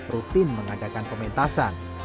rutin mengadakan pementasan